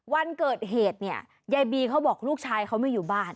วันเกิดเหตุเนี่ยยายบีเขาบอกลูกชายเขาไม่อยู่บ้าน